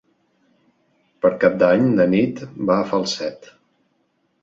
Per Cap d'Any na Nit va a Falset.